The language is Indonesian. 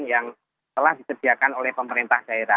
yang telah disediakan oleh pemerintah daerah